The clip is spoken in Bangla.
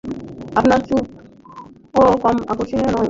আপনার চুলও কম আকর্ষনীয় নয়!